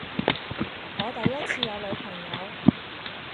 我第一次有女朋友